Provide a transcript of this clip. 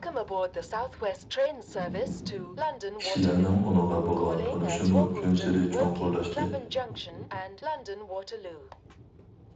كىشىلەرنىڭ ئۇنىڭغا بولغان تونۇشىمۇ كۈنسېرى چوڭقۇرلاشتى.